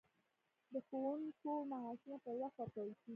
د ښوونکو معاشونه پر وخت ورکول کیږي؟